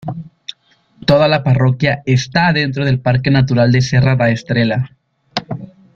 Toda la parroquia está dentro del Parque Natural de Serra da Estrela.